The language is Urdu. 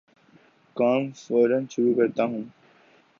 کام فورا شروع کرتا ہوں